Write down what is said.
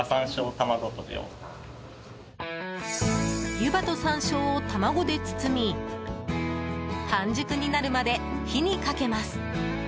湯葉とさんしょうを卵で包み半熟になるまで火にかけます。